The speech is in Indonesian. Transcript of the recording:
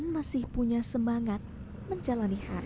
boro boro buat bandar